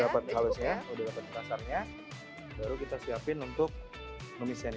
dapat kasarnya baru kita siapin untuk pemisahnya